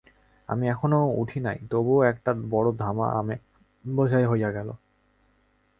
আমি এখনও উঠে নাই, তবুও একটা বড় ধামা আমে বোঝাই হইয়া গেল।